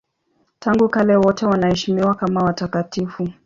Tangu kale wote wanaheshimiwa kama watakatifu.